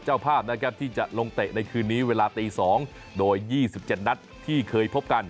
เจ้าภาพนะครับที่จะลงเตะในคืนนี้เวลาตี๒โดย๒๗นัดที่เคยพบกัน